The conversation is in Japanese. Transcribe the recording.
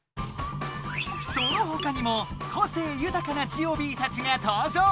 そのほかにも個性ゆたかなジオビーたちが登場。